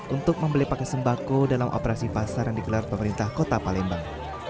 untuk membeli pakai sembako dalam operasi pasar yang digelar pemerintah kota palembang